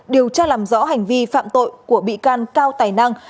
điều tra làm rõ hành vi phạm tội của bị can cao tài năng